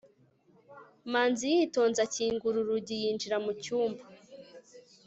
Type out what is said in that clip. manzi yitonze akingura urugi yinjira mu cyumba